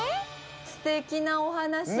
すてきなおはなし！